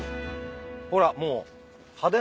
ほらもう。